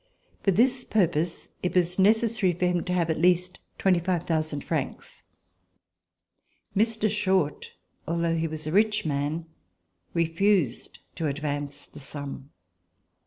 For this purpose it was necessary for him to have at least 25,000 francs. Mr. Short, although he was a rich man, refused to advance the sum.